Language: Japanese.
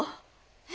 え？